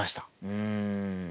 うん。